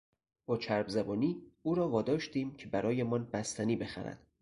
با چرب زبانی او را واداشتیم که برایمان بستنی بخرد.